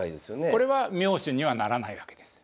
これは妙手にはならないわけです。